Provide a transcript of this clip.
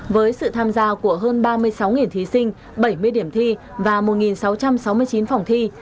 với sự tham gia của hơn ba mươi sáu thí sinh bảy mươi điểm thi và một sáu trăm sáu mươi chín phòng thi